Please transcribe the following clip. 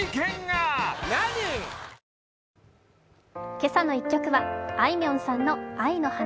「けさの１曲」はあいみょんさんの「愛の花」。